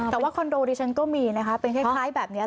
แต่ว่าคอนโดดิฉันก็มีนะคะเป็นคล้ายแบบนี้